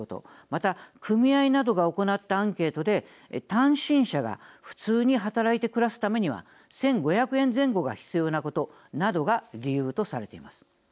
また、組合などが行ったアンケートで単身者が普通に働いて暮らすためには１５００円前後が必要なことなどが理由とされています。